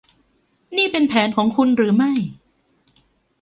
นี่เป็นแผนของคุณหรือไม่